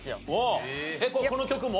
この曲も？